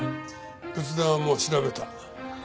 仏壇はもう調べた。